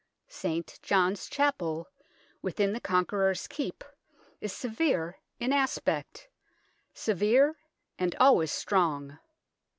St. John's Chapel, within the Conqueror's Keep, is severe in aspect severe, and always strong.